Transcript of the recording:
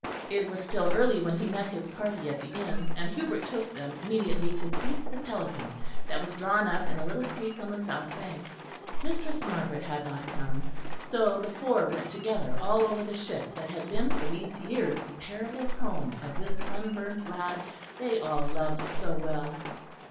It was still early when he met his party at the inn, and Hubert took them immediately to see the Pelican that was drawn up in a little creek on the south bank. Mistress Margaret had not come, so the four went together all over the ship that had been for these years the perilous home of this sunburnt lad they all loved so well.